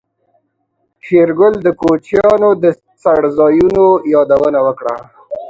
شېرګل د کوچيانو د څړځايونو يادونه وکړه.